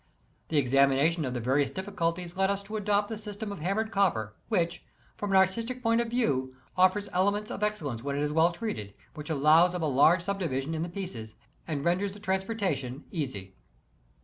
The examination of the various difficulties led us to adopt the system of hammered copper, which, from an artistic point of view, offers elements of excellence when it is well treated, which allows of a large subdivision in the pieces, and renders the transportation easy.